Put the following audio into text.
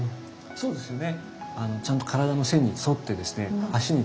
そうですね。